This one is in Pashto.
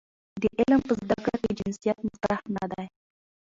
د علم په زده کړه کې جنسیت مطرح نه دی.